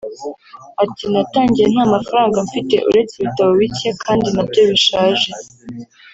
Ati “Natangiye nta mafaranga mfite uretse ibitabo bike kandi nabyo bishaje